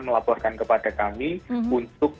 melaporkan kepada kami untuk